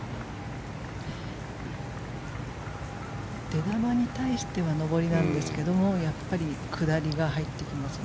出球に対しては上りなんですけどやっぱり下りが入ってきます。